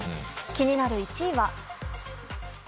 気になる１位は？